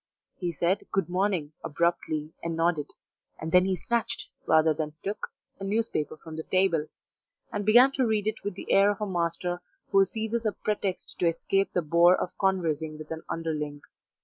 He said "Good morning" abruptly and nodded, and then he snatched, rather than took, a newspaper from the table, and began to read it with the air of a master who seizes a pretext to escape the bore of conversing with an underling.